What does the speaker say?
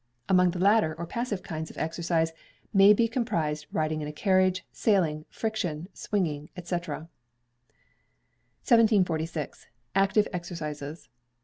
Among the latter, or passive kinds of exercise may be comprised riding in a carriage, sailing, friction, swinging &c. 1746. Active Exercises.